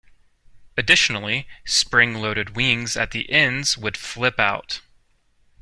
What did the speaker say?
Additionally, spring-loaded wings at the ends would flip out.